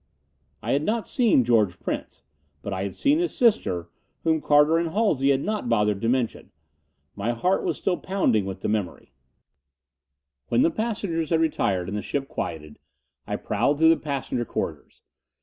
I had not seen George Prince. But I had seen his sister, whom Carter and Halsey had not bothered to mention. My heart was still pounding with the memory.... When the passengers had retired and the ship quieted, I prowled through the passenger corridors.